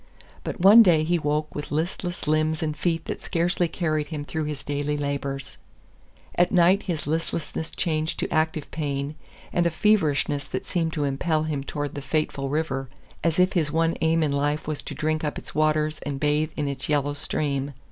But one day he woke with listless limbs and feet that scarcely carried him through his daily labors. At night his listlessness changed to active pain and a feverishness that seemed to impel him toward the fateful river, as if his one aim in life was to drink up its waters and bathe in its yellow stream.